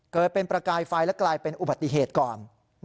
เกิดเป็นประกายไฟและกลายเป็นอุบัติเหตุก่อน